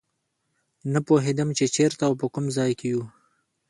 نه پوهېدم چې چېرته او په کوم ځای کې یو.